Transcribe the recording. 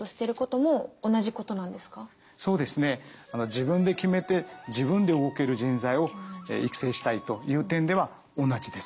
自分で決めて自分で動ける人材を育成したいという点では同じです。